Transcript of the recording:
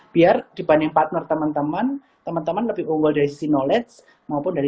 biar dibanding partner teman teman teman lebih unggul dari sisi knowledge maupun dari